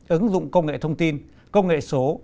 ứng dụng công nghệ thông tin công nghệ số